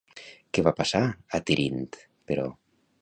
Què va passar a Tirint, però?